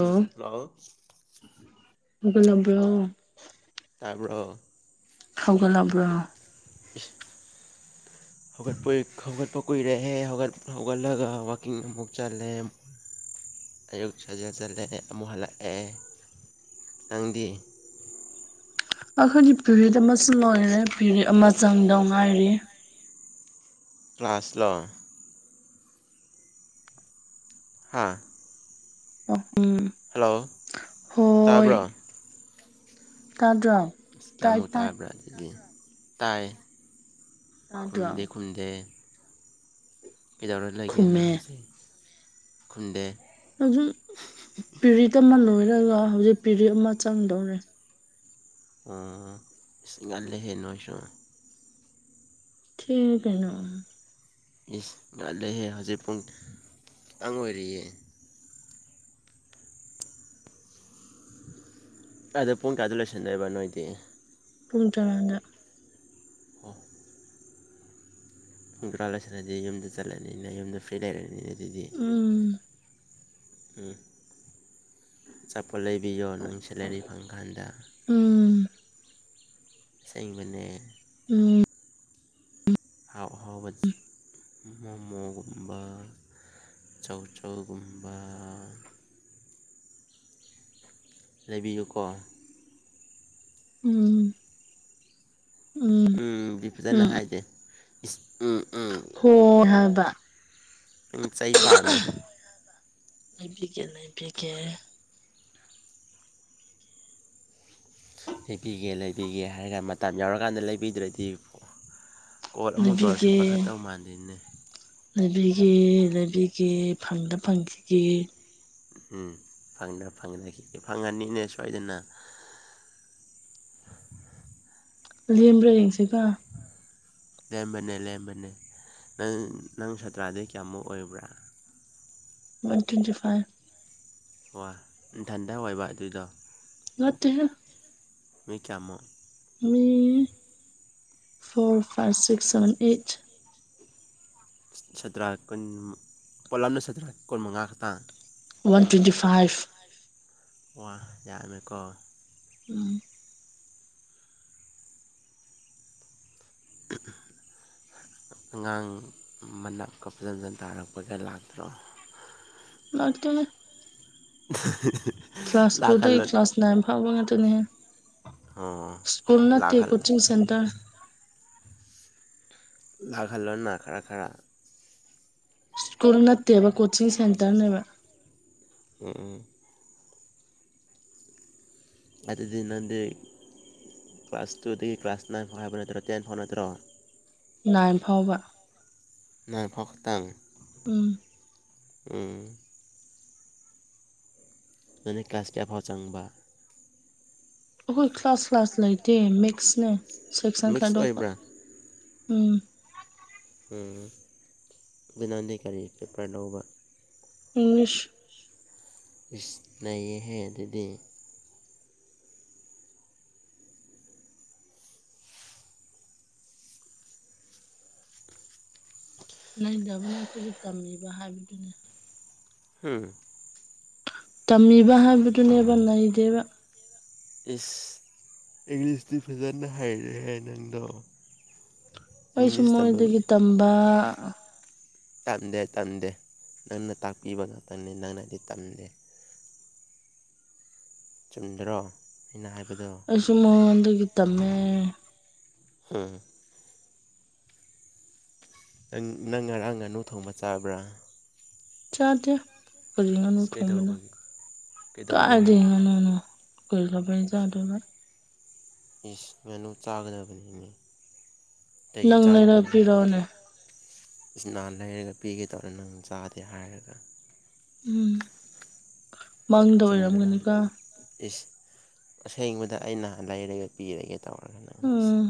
hello ꯍꯧꯒꯠꯂꯕ꯭ꯔꯣ ꯇꯥꯕ꯭ꯔꯣ ꯍꯧꯒꯠꯂꯕ꯭ꯔꯥ ꯏꯁ ꯍꯧꯒꯠꯄꯣꯏ ꯍꯧꯒꯠꯄ ꯀꯨꯏꯔꯦꯍꯦ ꯍꯧꯒꯠ ꯍꯧꯒꯠꯂꯒ ꯋꯥꯛꯀꯤꯡ ꯑꯃꯨꯛ ꯆꯠꯂꯦ ꯑꯌꯨꯛ ꯁꯥꯖꯦꯟ ꯆꯠꯂꯦ ꯑꯃꯨꯛ ꯍꯜꯂꯛꯑꯦ ꯅꯪꯗꯤ ꯑꯩꯈꯣꯏꯗꯤ ꯄꯤꯔꯤꯠ ꯑꯃꯁꯨ ꯂꯣꯏꯔꯦ ꯄꯤꯔꯤꯠ ꯑꯃꯥ ꯆꯪꯗꯧ ꯉꯥꯏꯔꯤ ꯀ꯭ꯂꯥꯁꯂꯣ ꯍꯥꯥ ꯑꯣ ꯍꯜꯂꯣ ꯍꯣꯏ ꯇꯥꯕ꯭ꯔꯣ ꯇꯥꯗ꯭ꯔꯣ ꯇꯥꯏ ꯀ꯭ꯌꯥꯃꯨꯛ ꯇꯥꯏ ꯇꯥꯔꯕ꯭ꯔ ꯑꯗꯨꯗꯤ ꯇꯥꯏ ꯇꯥꯗ꯭ꯔꯣ ꯈꯨꯝꯗꯦ ꯈꯨꯝꯗꯦ ꯀꯗꯧꯔ ꯂꯩꯒꯦ ꯅꯥ ꯈꯨꯝꯃꯦ ꯍꯧꯖꯤ ꯈꯨꯝꯗꯦ ꯍꯧꯖꯤꯛ ꯄꯤꯔꯤꯠ ꯑꯃ ꯂꯣꯏꯔꯒ ꯍꯧꯖꯤꯛ ꯄꯤꯔꯤꯠ ꯑꯃ ꯆꯪꯗꯧꯔꯦ ꯑꯥ ꯑꯥ ꯏꯁ ꯉꯜꯂꯦꯍꯦ ꯅꯣꯏꯁꯨ ꯊꯦꯡꯉꯦ ꯀꯩꯅꯣ ꯏꯁ ꯉꯜꯂꯦꯍꯦ ꯍꯧꯖꯤꯛ ꯄꯨꯡ ꯇꯪ ꯑꯣꯏꯔꯤꯌꯦ ꯀꯥꯏꯗ ꯄꯨꯡ ꯀꯌꯥꯗ ꯂꯣꯏꯁꯟꯗꯣꯏꯕ ꯅꯣꯏꯗꯤ ꯄꯨꯡ ꯇꯔꯥꯗ ꯑꯣ ꯄꯨꯡ ꯇꯔꯥ ꯂꯣꯏꯁꯜꯂꯗꯤ ꯌꯨꯝꯗ ꯆꯠꯂꯅꯤꯅꯦ ꯌꯨꯝꯗ ꯐ꯭ꯔꯤ ꯂꯩꯔꯅꯤꯅꯦ ꯑꯗꯨꯗꯤ ꯎꯝ ꯎꯝ ꯆꯥꯄꯣꯠ ꯂꯩꯕꯤꯌꯣ ꯅꯪ ꯁꯦꯂꯔꯤ ꯐꯪꯀꯥꯟꯗ ꯎꯝ ꯑꯁꯦꯡꯕꯅꯦ ꯎꯝ ꯑꯍꯥꯎ ꯑꯍꯥꯎꯕ ꯃꯣꯃꯣꯒꯨꯝꯕ ꯆꯧꯆꯧꯒꯨꯝꯕ ꯂꯩꯕꯤꯌꯨꯀꯣ ꯎꯝ ꯎꯝ ꯗꯤ ꯐꯖꯅ ꯍꯥꯏꯗꯦ ꯏꯁ ꯎꯝ ꯎꯝ ꯑꯣ ꯍꯥꯕ ꯅꯪ ꯆꯩ ꯄꯥꯝꯃꯦ ꯂꯩꯕꯤꯒꯦ ꯂꯩꯕꯤꯒꯦ ꯂꯩꯕꯤꯒꯦ ꯂꯩꯕꯤꯒꯦ ꯍꯥꯏꯔ ꯃꯇꯥꯝ ꯌꯧꯔꯀꯥꯟꯗ ꯂꯩꯕꯤꯗ꯭ꯔꯗꯤ ꯀꯣꯠ ꯑꯃꯨꯛ ꯇꯧꯔꯁꯨ ꯂꯩꯕꯤꯒꯦ ꯄꯥꯈꯠꯇꯧ ꯃꯥꯟꯗꯦꯅꯦ ꯂꯩꯕꯤꯒꯦ ꯂꯩꯕꯤꯒꯦ ꯐꯪꯗ ꯐꯪꯈꯤꯒꯦ ꯎꯝ ꯐꯪꯗ ꯐꯪꯉꯅꯤ [unintelligible] ꯐꯪꯉꯅꯤꯅꯦ ꯁꯣꯏꯗꯅ ꯂꯦꯝꯕ꯭ꯔ ꯌꯦꯡꯁꯤꯀꯣ ꯂꯦꯝꯕꯅꯦ ꯂꯦꯝꯕꯅꯦ ꯅꯪ ꯅꯪ ꯁꯥꯇ꯭ꯔꯥꯗꯤ ꯀ꯭ꯌꯥꯃꯨꯛ ꯑꯣꯏꯕ꯭ꯔꯥ ꯋꯥꯟ ꯇꯣꯏꯟꯇꯤ ꯐꯥꯏꯚ ꯋꯥ ꯅꯊꯟꯗ ꯑꯣꯏꯕ ꯑꯗꯨꯗꯣ ꯅꯠꯇꯦꯍꯦ ꯃꯤ ꯀ꯭ꯌꯥꯃꯨꯛ ꯃꯤ four five six seven eight ꯁꯇ꯭ꯔꯥ ꯀꯨꯟ ꯄꯨꯂꯞꯅ ꯁꯇ꯭ꯔꯥ ꯀꯨꯟ ꯃꯉꯥ ꯈꯛꯇꯥ ꯋꯥꯟ ꯇꯣꯏꯟꯇꯤ ꯐꯥꯏꯚ ꯋꯥ ꯌꯥꯃꯦꯀꯣ ꯎꯝ [inaudible] ꯑꯉꯥꯡ ꯃꯅꯞꯀ ꯐꯖꯟꯅ ꯇꯥꯔꯛꯄꯒ ꯂꯥꯛꯇ꯭ꯔꯣ ꯂꯥꯛꯇꯦꯗ [unintelligible] ꯀ꯭ꯂꯥꯁ ꯇꯨꯗꯩ ꯂꯥꯛꯍꯜꯂꯣ ꯀ꯭ꯂꯥꯁ ꯅꯥꯏꯟ ꯐꯥꯎꯕ ꯉꯥꯛꯇꯅꯦꯍꯦ ꯑꯣ ꯁ꯭ꯀꯨꯜ ꯅꯠꯇꯦ ꯂꯥꯛꯍꯜ ꯀꯣꯆꯤꯡ ꯁꯦꯟꯇ꯭ꯔ ꯂꯥꯛꯍꯜꯂꯣꯅꯥ ꯈꯔ ꯈꯔ ꯀꯨꯜ ꯅꯠꯇꯦꯕ ꯀꯣꯆꯤꯡ ꯁꯦꯟꯇ꯭ꯔꯅꯦꯕ [unintelligible] ꯑꯗꯨꯗꯤ ꯅꯪꯗꯤ ꯀ꯭ꯂꯥꯁ ꯇꯨꯗꯒꯤ ꯀ꯭ꯂꯥꯁ ꯅꯥꯏꯟ ꯐꯥꯎ ꯍꯥꯏꯕ ꯅꯠꯇ꯭ꯔꯣ ꯇꯦꯟ ꯐꯥꯎ ꯅꯠꯇ꯭ꯔꯣ ꯅꯥꯏꯟ ꯐꯥꯎꯕ ꯅꯥꯏꯟ ꯐꯥꯎ ꯈꯛꯇꯪ ꯎꯝ ꯎꯝ ꯅꯪꯅ ꯀ꯭ꯂꯥꯁ ꯀꯌꯥ ꯐꯥꯎ ꯆꯪꯕ ꯑꯈꯣꯏ ꯀ꯭ꯂꯥꯁ ꯀ꯭ꯂꯥꯁ ꯂꯩꯇꯦ ꯃꯤꯛꯁꯅꯦ ꯁꯦꯛꯁꯟ ꯃꯤꯛꯁ ꯈꯥꯗꯣꯛꯕ ꯑꯣꯏꯕ꯭ꯔꯥ ꯎꯝ ꯎꯝ ꯑꯗꯨ ꯅꯪꯗꯤ ꯀꯔꯤ ꯄꯦꯄ꯭ꯔ ꯂꯧꯕ ꯏꯪꯂꯤꯁ ꯏꯁ ꯅꯩꯌꯦꯍꯦ ꯑꯗꯨꯗꯤ ꯅꯩꯗꯕꯅꯦ ꯑꯈꯣꯏꯁꯨ ꯇꯝꯃꯤꯕ ꯍꯥꯏꯕꯗꯨꯅꯦ ꯍꯝ ꯇꯝꯃꯤꯕ ꯍꯥꯏꯕꯗꯨꯅꯦꯕ ꯅꯩꯗꯦꯕ ꯏꯁ ꯏꯪꯂꯤꯁꯇꯤ ꯐꯖꯟꯅ ꯍꯩꯔꯦꯍꯦ ꯅꯪꯗꯣ ꯑꯩꯁꯨ ꯏꯪꯂꯤꯁ ꯇꯝꯐꯝ ꯃꯣꯏꯗꯒꯤ ꯇꯝꯕ ꯇꯝꯗꯦ ꯇꯝꯗꯦ ꯅꯪꯅ ꯇꯥꯛꯄꯤꯕ ꯉꯥꯛꯇꯅꯤ ꯅꯪꯅꯗꯤ ꯇꯝꯗꯦ ꯆꯨꯝꯗ꯭ꯔꯣ ꯑꯩꯅ ꯍꯥꯏꯕꯗꯣ ꯑꯩꯁꯨ ꯃꯉꯣꯟꯗꯒꯤ ꯇꯝꯃꯦ ꯍꯝ ꯅꯪ ꯅꯪ ꯉꯔꯥꯡ ꯉꯥꯅꯨ ꯊꯣꯡꯕ ꯆꯥꯕ꯭ꯔꯥ ꯆꯥꯗꯦ ꯀꯔꯤ ꯉꯅꯨ ꯏꯁ ꯊꯣꯡꯕꯅꯣ ꯀꯩꯗꯧꯕꯒꯤ ꯀꯩꯗꯧꯕꯒꯤ ꯀꯥꯏꯗꯒꯤ ꯉꯅꯨꯅꯣ ꯀꯔꯤ ꯂꯩꯕꯩ ꯆꯥꯗꯣꯢꯕ ꯏꯁ ꯉꯅꯨ ꯆꯥꯒꯗꯕꯅꯤꯅꯦ ꯀꯩꯒꯤ ꯅꯪ ꯂꯩꯔ ꯆꯥꯗꯕꯅꯣ ꯄꯤꯔꯛꯑꯣꯅꯦ ꯅꯍꯥꯟ ꯂꯩꯔꯒ ꯄꯤꯒꯦ ꯇꯧꯔ ꯅꯪ ꯆꯥꯗꯦ ꯍꯥꯏꯔꯒ ꯎꯝ ꯃꯪꯗ ꯆꯨꯝꯗ꯭ꯔꯣ ꯑꯣꯏꯔꯝꯒꯅꯤꯀꯣ ꯏꯁ ꯑꯁꯦꯡꯕꯗ ꯑꯩꯅ ꯂꯩꯔꯒ ꯄꯤꯔꯒꯦ ꯇꯧꯔꯒ ꯅꯪ ꯏꯁ ꯎꯝ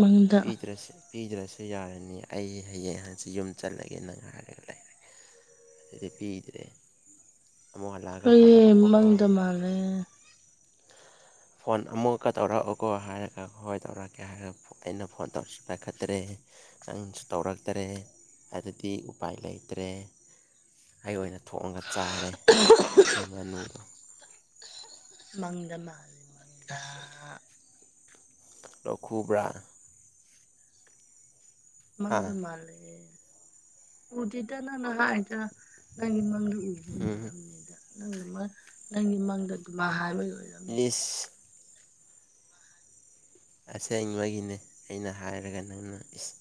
ꯃꯪꯗ ꯄꯤꯗ꯭ꯔꯁꯨ ꯄꯤꯗ꯭ꯔꯁꯨ ꯌꯥꯔꯅꯤ ꯑꯩ ꯍꯌꯦꯡ ꯍꯥꯡꯆꯤꯠ ꯌꯨꯝ ꯆꯠꯂꯒꯦ ꯅꯪ ꯍꯥꯏꯔꯒ ꯂꯩ ꯑꯗꯨꯗꯤ ꯄꯤꯗ꯭ꯔꯦ ꯑꯃꯨꯛ ꯍꯜꯂꯛꯑꯒ ꯐꯣꯟ ꯍꯣꯢꯌꯦ ꯇꯧꯔꯛꯑꯣꯀꯣ ꯃꯪꯗ ꯃꯥꯥꯜꯂꯦ ꯐꯣꯟ ꯑꯃꯨꯛꯀ ꯇꯧꯔꯛꯎꯀꯣ ꯍꯥꯏꯔꯒ ꯍꯣꯏ ꯇꯧꯔꯛꯀꯦ ꯍꯥꯏꯔ ꯑꯩꯅ ꯐꯣꯟ ꯇꯧꯔꯁꯨ ꯄꯥꯢꯈꯠꯇ꯭ꯔꯦ ꯅꯪꯁꯨ ꯇꯧꯔꯛꯇ꯭ꯔꯦ ꯑꯗꯨꯗꯤ ꯎꯄꯥꯏ ꯂꯩꯇ꯭ꯔꯦ ꯑꯩ ꯑꯣꯏꯅ ꯊꯣꯛꯑꯒ ꯆꯥꯔꯦ ꯑꯗꯨ ꯉꯅꯨꯗꯣ ꯃꯪꯗ ꯃꯥꯜꯂꯤ ꯃꯪꯗ ꯂꯣꯛ ꯈꯨꯕ꯭ꯔꯥ ꯍꯥ ꯃꯪꯗ ꯃꯥꯜꯂꯦ ꯎꯗꯦꯗ ꯅꯪꯅ ꯍꯥꯏꯔꯤꯗꯣ ꯅꯪꯒꯤ ꯃꯪꯗ ꯎꯕꯒꯤ ꯎꯝ ꯑꯣꯏꯔꯝꯅꯤꯗ ꯅꯪ ꯅꯪꯒꯤ ꯃꯪꯗ ꯑꯗꯨꯃꯥꯢ ꯍꯥꯏꯕꯒꯤ ꯑꯣꯏꯔꯝꯅꯤ ꯢꯁ ꯑꯁꯦꯡꯕꯒꯤꯅꯦ ꯑꯩꯅ ꯍꯥꯏꯔꯒ ꯅꯪꯅ ꯏꯁ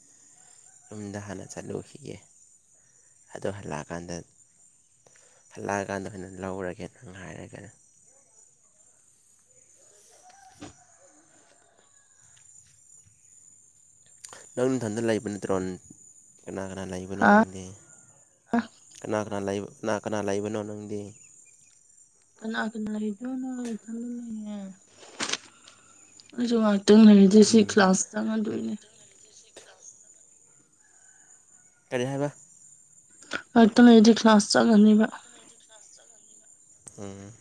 ꯌꯨꯝꯗ ꯍꯥꯟꯅ ꯆꯠꯂꯨꯈꯤꯒꯦ ꯑꯗꯨ ꯍꯜꯂꯛꯑꯀꯥꯟꯗ ꯍꯜꯂꯛꯑꯀꯥꯟꯗ ꯑꯣꯏꯅ ꯂꯧꯔꯒꯦ ꯑꯗꯨꯝ ꯍꯥꯏꯔꯒ [inaudible] ꯅꯪ ꯅꯊꯟꯗ ꯂꯩꯕ ꯅꯠꯇ꯭ꯔꯣ ꯀꯅꯥ ꯀꯅꯥ ꯂꯩꯥꯕꯅꯣ ꯍꯥ ꯅꯪꯗꯤ ꯀꯅꯥ ꯀꯅꯥ ꯀꯅꯥ ꯂꯩꯕꯅꯣ ꯅꯪꯗꯤ ꯀꯅꯥ ꯀꯅꯥ ꯂꯩꯕꯅꯣ ꯑꯩ ꯏꯊꯟ ꯅꯦ ꯑꯩꯁꯨ ꯉꯥꯏ ꯍꯥꯛꯇꯪ ꯂꯩꯔꯗꯤ ꯁꯤ ꯎꯝ ꯀ꯭ꯂꯥꯁ ꯆꯪꯉꯗꯣꯏꯅꯦ ꯀꯔꯤ ꯍꯥꯏꯕ ꯉꯥꯍꯥꯛꯇꯪ ꯂꯩꯔꯗꯤ ꯀ꯭ꯂꯥꯁ ꯆꯪꯉꯅꯤꯕ ꯑꯝ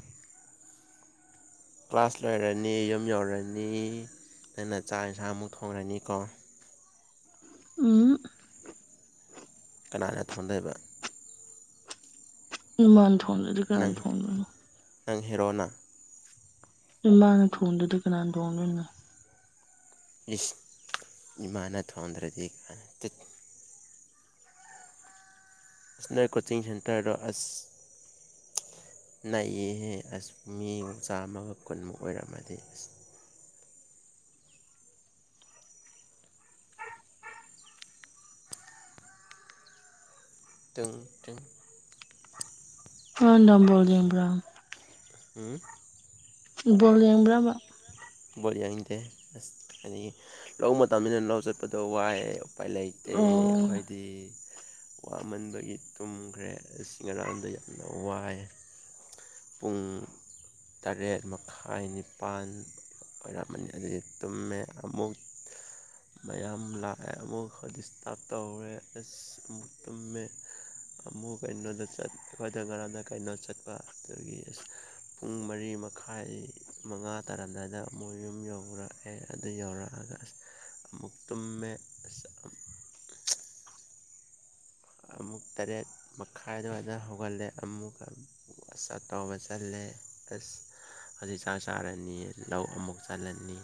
ꯀ꯭ꯂꯥꯁ ꯂꯣꯏꯔꯅꯤ ꯌꯨꯝ ꯌꯧꯔꯅꯤ ꯅꯪꯅ ꯆꯥꯛ ꯌꯦꯟꯁꯥꯡ ꯑꯃꯨꯛ ꯊꯣꯡꯉꯅꯤꯀꯣ ꯎꯝ ꯀꯅꯥꯅ ꯊꯣꯡꯗꯣꯏꯕ ꯏꯃꯥꯅ ꯊꯣꯡꯗ꯭ꯔꯗꯤ ꯅꯪ ꯀꯥꯅꯅ ꯊꯣꯡꯗꯣꯏꯅꯣ ꯅꯪ ꯍꯦꯔꯣꯅꯥ ꯏꯃꯥꯅ ꯊꯣꯡꯗ꯭ꯔꯗꯤ ꯀꯅꯥꯅ ꯊꯣꯡꯗꯣꯢꯅꯣ ꯏꯁ ꯏꯃꯥꯅ ꯊꯧꯗ꯭ꯔꯗꯤ ꯀꯥꯢ ꯇꯨꯠ ꯏꯁ ꯅꯣꯢ ꯀꯣꯆꯤꯡ ꯁꯦꯟꯇꯥꯔꯗꯣ ꯑꯁ ꯅꯩꯍꯦ ꯑꯁ ꯃꯤ ꯆꯥꯝꯃꯒ ꯀꯨꯟꯃꯨꯛ ꯑꯣꯏꯔꯝꯃꯗꯤ ꯏꯁ ꯇꯤꯡ ꯇꯤꯡ [unintelligible] ꯉꯔꯥꯡ ꯅꯨꯡꯗꯥꯡ ꯕꯣꯜ ꯌꯦꯡꯕ꯭ꯔꯣ ꯑꯝ ꯕꯣꯜ ꯌꯦꯡꯕ꯭ꯔꯥꯕ ꯕꯣꯜ ꯌꯥꯡꯗꯦ ꯑꯁ ꯑꯗꯒꯤ ꯂꯧ ꯃꯇꯝꯅꯤꯅ ꯂꯧ ꯆꯠꯄꯗꯣ ꯋꯥꯏꯑꯦ ꯎꯄꯥꯏ ꯂꯩꯇꯦ ꯑꯣ ꯑꯈꯣꯏꯗꯤ ꯋꯥꯃꯟꯕꯒꯤ ꯇꯨꯝꯈ꯭ꯔꯦ ꯑꯁ ꯉꯔꯥꯡꯗꯩ ꯌꯥꯝ ꯋꯥꯏꯌꯦ ꯄꯨꯡ ꯇꯔꯦꯠ ꯃꯈꯥꯏ ꯅꯤꯄꯥꯟ ꯑꯣꯏꯔꯝꯃꯅꯤ ꯑꯗꯨꯗꯤ ꯇꯨꯝꯃꯦ ꯑꯃꯨꯛ ꯃꯌꯥꯝ ꯂꯥꯛꯑꯦ ꯑꯃꯨꯛ ꯍ ꯗꯤꯁꯇꯥꯔꯞ ꯇꯧꯔꯦ ꯑꯁ ꯑꯃꯨꯛ ꯇꯨꯝꯃꯦ ꯑꯃꯨꯛ ꯀꯩꯅꯣꯗ ꯆꯠ ꯑꯩꯈꯣꯏꯗ ꯉꯔꯥꯡꯗ ꯀꯩꯅꯣ ꯆꯠꯄ ꯑꯗꯒꯤ ꯑꯁ ꯄꯨꯡ ꯃꯔꯤ ꯃꯈꯥꯏ ꯃꯉꯥ ꯇꯥꯔꯝꯗꯥꯏꯗ ꯃꯣꯏ ꯌꯨꯝ ꯌꯧꯕ꯭ꯔꯥ ꯑꯦ ꯑꯗꯨ ꯌꯧꯔꯛꯑꯒ ꯑꯁ ꯑꯃꯨꯛ ꯇꯨꯝꯃꯦ ꯑꯁ ꯑꯃꯨꯛ ꯇꯔꯦꯠ ꯃꯈꯥꯏ ꯑꯗꯨꯋꯥꯏꯗ ꯍꯧꯒꯠꯂꯦ ꯑꯃꯨꯛꯀ ꯑꯁꯁ ꯇꯧꯕ ꯆꯠꯂꯦ ꯑꯁ ꯍꯧꯖꯤꯛ ꯆꯥꯛ ꯆꯥꯔꯅꯤ ꯂꯧ ꯑꯃꯨꯛ ꯆꯜꯂꯅꯤ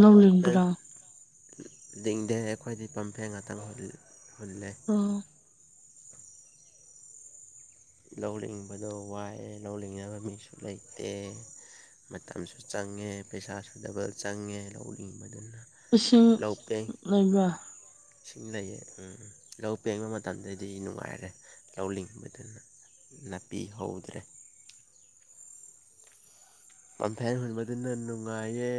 ꯂꯧ ꯅꯪ ꯂꯤꯡꯕꯔꯣ ꯂꯤꯡꯗꯦ ꯑꯩꯈꯣꯏꯗꯤ ꯄꯝꯐꯦꯟ ꯉꯥꯇꯪ ꯍꯨꯜ ꯍꯨꯜꯂꯦ ꯑꯣ ꯂꯧ ꯂꯤꯡꯕꯗꯣ ꯋꯥꯏꯑꯦ ꯂꯧ ꯂꯤꯡꯅꯕ ꯃꯤꯁꯨ ꯂꯩꯇꯦ ꯃꯇꯝꯁꯨ ꯆꯪꯉꯦ ꯄꯩꯁꯥꯁꯨ ꯗꯕꯜ ꯆꯪꯉꯦ ꯂꯧꯂꯤꯡꯕꯗꯨ ꯏꯁꯤꯡ ꯂꯩꯕ꯭ꯔꯥ ꯏꯁꯤꯡ ꯂꯩꯌꯦ ꯎꯝ ꯂꯧ ꯄꯦꯡꯕ ꯃꯇꯝꯗꯗꯤ ꯅꯨꯡꯉꯥꯏꯔꯦ ꯂꯧ ꯂꯤꯡꯕꯗꯨꯅ ꯅꯥꯄꯤ ꯍꯧꯗ꯭ꯔꯦ ꯄꯝꯐꯦꯟ ꯍꯨꯟꯕꯗꯨꯅ ꯅꯨꯡꯉꯥꯏꯌꯦ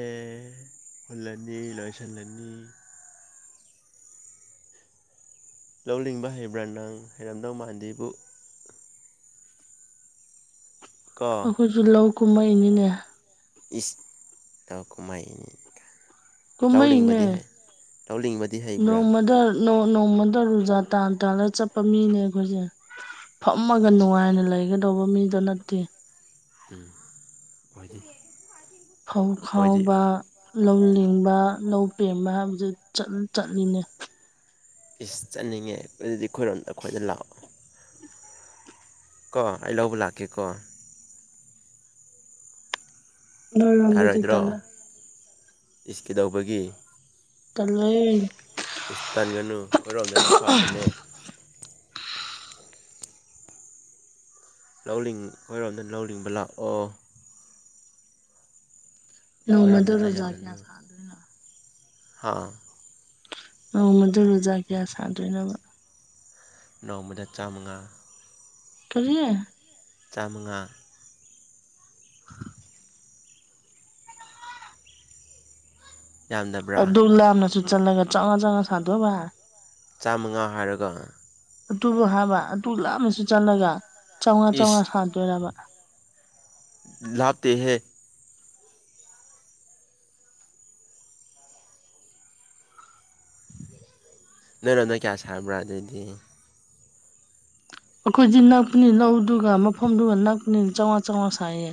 ꯍꯨꯜꯂꯅꯤ ꯂꯣꯏꯁꯤꯜꯂꯅꯤ ꯂꯧ ꯂꯤꯡꯕ ꯍꯩꯕ꯭ꯔꯥ ꯅꯪ ꯍꯩꯔꯝꯗꯧ ꯃꯥꯟꯗꯦꯕꯨ ꯀꯣ ꯑꯩꯈꯣꯏꯁꯨ ꯂꯧ ꯀꯨꯝꯃꯛꯏꯅꯤꯅꯦ ꯏꯁ ꯂꯧ ꯀꯨꯝꯃꯛꯏꯅꯤ ꯀꯥ ꯂꯧ ꯀꯨꯝꯃꯛꯏꯅꯦ ꯂꯤꯡꯕꯗꯤ ꯍꯩ ꯂꯧ ꯂꯤꯡꯕꯗꯤ ꯍꯩꯕ꯭ꯔꯥ ꯅꯣꯡ ꯅꯣꯡꯃꯗ ꯔꯨꯖꯥ ꯇꯥꯟ ꯇꯥꯜꯂꯒ ꯆꯠꯄ ꯃꯤꯅꯦ ꯑꯩꯈꯣꯏꯁꯦ ꯐꯝꯃꯒ ꯅꯨꯡꯉꯥꯏꯅ ꯂꯩꯒꯗꯧꯕ ꯃꯤꯗꯣ ꯅꯠꯇꯦ ꯎꯝ ꯄꯥꯏꯗꯦ ꯐꯧ ꯈꯥꯎꯕ ꯂꯧ ꯂꯤꯡꯕ ꯂꯧ ꯄꯦꯡꯕ ꯍꯥꯏꯕꯖꯦ ꯆꯠ ꯆꯠꯂꯤꯅꯦ ꯏꯁ ꯆꯠꯅꯤꯡꯉꯦ ꯑꯗꯨꯗꯤ ꯑꯩꯈꯣꯏꯔꯣꯝꯗ ꯑꯩꯈꯣꯏꯗ ꯂꯥꯛꯑꯣ ꯀꯣ ꯑꯩ ꯂꯧꯕ ꯂꯥꯛꯀꯦ ꯀꯣ ꯅꯣꯏꯔꯣꯝꯗꯗꯤ ꯌꯥꯔꯣꯏꯗ꯭ꯔꯣ ꯇꯜꯂꯦ ꯏꯁ ꯀꯩꯗꯧꯕꯒꯤ ꯇꯜꯂꯦ ꯏꯁ ꯇꯟꯒꯅꯨ ꯑꯩꯈꯣꯏꯔꯣꯝꯗꯅ ꯐꯕꯅꯦ ꯂꯧ ꯂꯤꯡ ꯑꯩꯈꯣꯏꯔꯣꯝꯗ ꯂꯧꯂꯤꯡꯕ ꯂꯥꯛꯑꯣ ꯅꯣꯡꯃꯗ ꯑꯩꯈꯣꯏꯔꯣꯝꯗꯅ ꯔꯣꯖꯥ ꯀꯌꯥ ꯁꯥ ꯍꯥꯥ ꯅꯣꯡꯃꯗ ꯔꯣꯖꯥ ꯀꯌꯥ ꯁꯥꯗꯨꯏꯅꯣꯕ ꯅꯣꯡꯃꯗ ꯆꯥꯝꯃꯉꯥ ꯀꯔꯤ ꯆꯥꯝꯃꯉꯥ ꯌꯥꯝꯗꯕ꯭ꯔꯥ ꯑꯗꯨꯛ ꯂꯥꯞꯅꯁꯨ ꯆꯠꯂꯒ ꯆꯧꯉꯥ ꯆꯧꯉꯥ ꯁꯥꯗꯣꯕ ꯆꯥꯝꯃꯉꯥ ꯍꯥꯏꯔꯒ ꯑꯗꯨꯨꯕꯨ ꯍꯥꯕ ꯑꯗꯨꯨ ꯂꯥꯞꯅꯁꯨ ꯆꯠꯂꯒ ꯆꯧꯉꯥ ꯆꯧꯉꯥ ꯏꯁ ꯁꯥꯗꯣꯏꯔꯕ ꯂꯥꯞꯇꯦꯍꯦ ꯅꯣꯏꯔꯣꯝꯗ ꯀꯌꯥ ꯁꯥꯕ꯭ꯔ ꯑꯗꯨꯗꯤ ꯑꯈꯣꯏꯗꯤ ꯅꯛꯄꯅꯤ ꯂꯧꯗꯨꯒ ꯃꯐꯝꯗꯨꯒ ꯅꯛꯄꯅꯤ ꯆꯧꯉꯥ ꯆꯧꯉꯥ ꯁꯥꯏꯌꯦ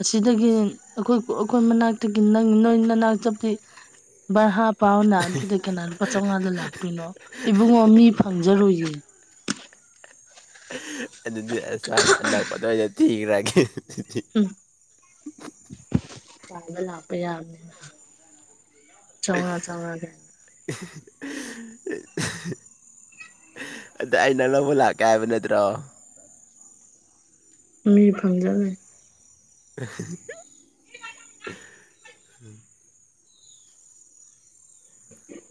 ꯑꯁꯤꯗꯒꯤ ꯑꯈꯣꯏ ꯑꯈꯣꯏ ꯃꯅꯥꯛꯇꯒꯤ ꯅꯪ ꯅꯣꯏ ꯅꯅꯥꯛ ꯆꯠꯄꯗꯤ ꯕꯔꯥ ꯄꯥꯎꯅ ꯑꯗꯨꯗ ꯀꯅꯥ ꯂꯨꯄꯥ ꯆꯝꯉꯥꯗ ꯂꯥꯛꯇꯣꯏꯅꯣ ꯏꯕꯨꯡꯉꯣ ꯃꯤ ꯐꯪꯖꯔꯣꯏꯌꯦ ꯑꯗꯨꯗꯤ ꯑꯁ ꯍꯥꯏꯕ ꯑꯅꯛꯄ ꯑꯗꯥꯏꯗ ꯊꯤꯈ꯭ꯔꯒꯦ ꯗꯨꯗꯤ ꯎꯝ ꯇꯥꯜꯗ ꯂꯥꯛꯄ ꯌꯥꯕꯅꯤꯅ ꯆꯝꯉꯥ ꯆꯝꯉꯥꯒꯤ [inaudible] ꯑꯗꯩ ꯑꯩꯅ ꯂꯧꯕ ꯂꯥꯛꯀꯦ ꯍꯥꯏꯕ ꯅꯠꯇ꯭ꯔꯣ ꯃꯤ ꯐꯪꯗꯂꯩ ꯑꯍꯦ ꯍꯦ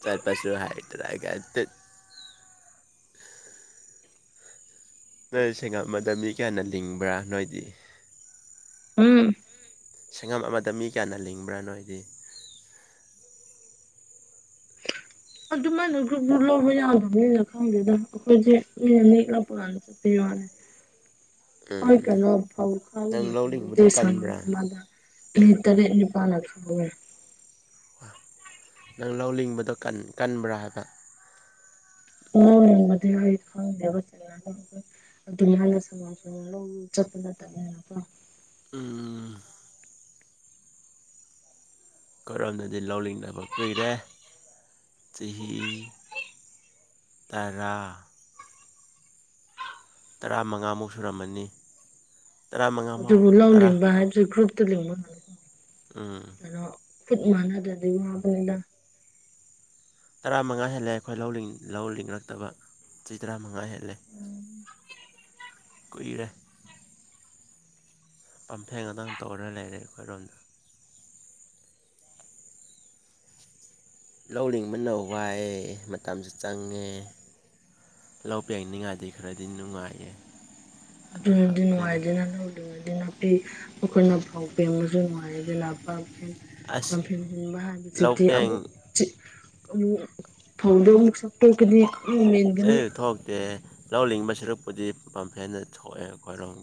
ꯆꯠꯄꯁꯨ ꯍꯩꯇ꯭ꯔꯒ ꯇꯨꯠ ꯅꯣꯏ ꯁꯡꯉꯝ ꯑꯃꯗ ꯃꯤ ꯀꯌꯥꯅ ꯂꯤꯡꯕ꯭ꯔꯥ ꯅꯣꯏꯗꯤ ꯎꯝ ꯁꯡꯉꯝ ꯑꯃꯗ ꯃꯤ ꯀꯌꯥꯅ ꯂꯤꯡꯕ꯭ꯔ ꯅꯣꯏꯗꯤ [inaudible] ꯑꯗꯨꯃꯥꯏꯅ ꯒ꯭ꯔꯨꯞ ꯒ꯭ꯔꯨꯞ ꯂꯧꯕ ꯌꯥꯗꯕꯅꯤꯅ ꯈꯪꯗꯦꯗꯥ ꯑꯈꯣꯏꯗꯤ ꯃꯤꯅ ꯅꯦꯛꯂ ꯄꯨꯔꯛꯑꯅꯤ ꯄꯤꯋꯣꯅꯦ ꯎꯝ ꯑꯩ ꯎꯝ ꯀꯩꯅꯣ ꯐꯧ ꯈꯥꯏꯕ ꯅꯪ ꯂꯧ ꯂꯤꯡꯕꯗꯣ ꯃꯇꯝꯗꯗꯤ ꯁꯡꯉꯝ ꯀꯟꯕ꯭ꯔꯥ ꯑꯃꯗ ꯃꯤ ꯇꯔꯦꯠ ꯅꯤꯄꯥꯥꯜꯅ ꯁꯨꯅꯩ ꯅꯪ ꯂꯧ ꯂꯤꯡꯕꯗꯣ ꯀꯟ ꯀꯟꯕ꯭ꯔ ꯍꯥꯏꯕ꯭ꯔ ꯂꯧ ꯂꯤꯡꯕꯗꯤ ꯑꯩ ꯈꯪꯗꯦꯕ ꯖꯒꯥꯗꯣ ꯑꯗꯨꯃꯥꯏꯅ ꯁꯡꯉꯝ ꯁꯡꯉꯝ ꯂꯧ ꯆꯠꯄ ꯅꯠꯇꯕꯅꯤꯅꯀꯣ ꯎꯝ ꯑꯩꯈꯣꯏꯔꯣꯝꯗꯗꯤ ꯂꯧ ꯂꯤꯡꯗꯕ ꯀꯨꯏꯔꯦ ꯆꯍꯤ ꯇꯔꯥ ꯇꯔꯥꯃꯉꯥꯃꯨꯛ ꯁꯨꯔꯝꯃꯅꯤ ꯇꯔꯥꯃꯉꯥꯃꯨꯛ ꯑꯗꯨꯕꯨ ꯂꯧ ꯇꯔꯥ ꯂꯤꯡꯕ ꯍꯥꯏꯕꯖꯤ ꯒ꯭ꯔꯨꯞꯇ ꯂꯤꯡꯕꯅ ꯎꯝ ꯀꯩꯅꯣ ꯈꯨꯠ ꯃꯥꯟꯅꯗ꯭ꯔꯗꯤ ꯋꯥꯕꯅꯤꯗ ꯇꯔꯥꯃꯉꯥ ꯍꯦꯜꯂꯛꯑꯦ ꯈꯣꯏ ꯂꯧ ꯂꯤꯡꯉꯛꯇꯕ ꯆꯍꯤ ꯇꯔꯥꯃꯉꯥ ꯍꯦꯜꯂꯦ ꯂꯦ ꯀꯨꯏꯔꯦ ꯄꯝꯐꯦꯟ ꯉꯥꯛꯇꯪ ꯇꯧꯔ ꯂꯩꯔꯦ ꯑꯩꯈꯣꯏꯔꯣꯝꯗ ꯂꯧ ꯂꯤꯡꯕꯅ ꯋꯥꯏꯑꯦ ꯃꯇꯝꯁꯨ ꯆꯪꯉꯦ ꯂꯧ ꯄꯦꯡꯅꯤꯉꯥꯏꯗꯤ ꯈꯔꯗꯤ ꯅꯨꯡꯉꯥꯏꯌꯦ ꯎꯝ ꯗꯨ ꯑꯗꯨꯈꯛꯅꯤꯗ ꯅꯨꯉꯥꯏꯗꯨꯅ ꯂꯧꯔꯤ ꯗꯨꯅꯗꯤ ꯅꯥꯄꯤ ꯑꯈꯣꯏꯅ ꯐꯧ ꯄꯦꯡꯉꯁꯨ ꯅꯨꯡꯉꯥꯏꯌꯦ ꯑꯗꯨꯅ ꯄꯥꯡꯐꯦꯟ ꯑꯁ ꯄꯥꯝꯐꯦꯟ ꯍꯨꯟꯕ ꯂꯧ ꯍꯥꯏꯕꯁꯤꯗꯤ ꯑꯃꯨꯛ ꯄꯦꯡ ꯆꯤꯠ ꯑꯃꯨꯛ ꯐꯧꯗꯣꯃꯨꯛ ꯁꯇꯣꯛꯀꯅꯤ ꯇꯨꯃꯤꯟ ꯑꯦ ꯊꯣꯛꯇꯦ ꯂꯧ ꯂꯤꯡꯕ ꯁꯔꯨꯛꯄꯨꯗꯤ ꯄꯥꯝꯐꯦꯟꯅ ꯊꯣꯛꯑꯦ ꯑꯈꯣꯏꯔꯣꯝ